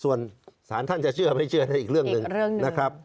ส่วนศาลท่านจะเชื่อไม่เชื่อในอีกเรื่องหนึ่งนะครับ